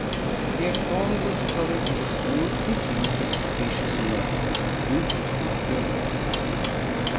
Yet all was coloured with a smooth pretence 745 Of specious love and duty to their prince.